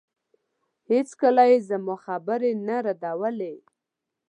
هېڅکله يې زما خبرې نه ردولې.